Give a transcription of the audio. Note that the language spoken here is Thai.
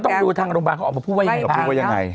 ก็ต้องดูทางโรงพยาบาลเขาออกมาพูดว่าอย่างไร